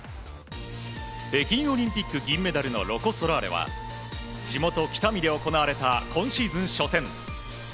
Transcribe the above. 北京オリンピック銀メダルのロコ・ソラーレは地元・北見で行われた今シーズン初戦。